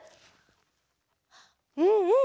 うんうん。